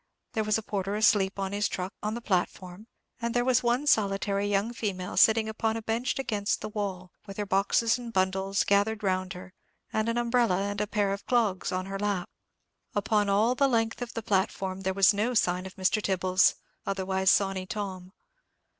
There was a porter asleep upon his truck on the platform, and there was one solitary young female sitting upon a bench against the wall, with her boxes and bundles gathered round her, and an umbrella and a pair of clogs on her lap. Upon all the length of the platform there was no sign of Mr. Tibbles, otherwise Sawney Tom.